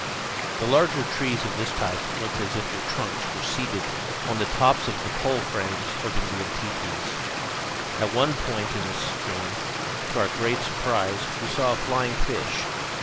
The larger trees of this type looked as if their trunks were seated on the tops of the pole frames of Indian tepees. At one point in the stream, to our great surprise, we saw a flying fish.